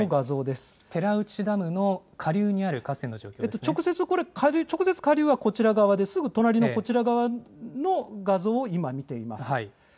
寺内ダムの下流にある河川の直接これ、下流はこちら側で、すぐ隣のこちら側の画像を今見ています。